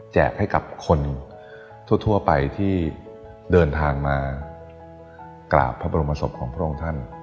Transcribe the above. ให้กับคนทั่วไปที่เดินทางมากราบพระบรมศพของพระองค์ท่าน